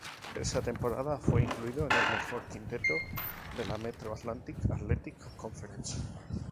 Esa temporada fue incluido en el mejor quinteto de la Metro Atlantic Athletic Conference.